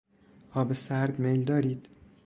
آب سرد میل دارید؟